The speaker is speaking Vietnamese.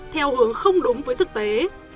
theo hướng không đúng với thực tế